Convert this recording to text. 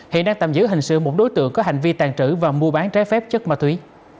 hiện đang tạm giữ hình sự một đối tượng có hành vi tàn trữ và mua bán trái phép chất ma túy